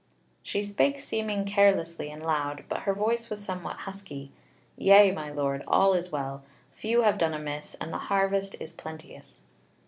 She spake seeming carelessly and loud; but her voice was somewhat husky: "Yea, my Lord, all is well; few have done amiss, and the harvest is plenteous."